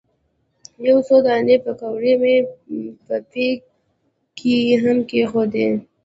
یو څو دانې پیکورې مې په بیک کې هم کېښودې.